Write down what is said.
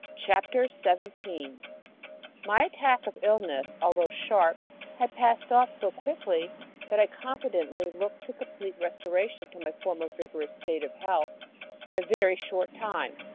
Chapter 17 My attack of illness, although sharp, had passed off so quickly that I confidently looked to complete restoration to my former vigorous state of health in a very short time.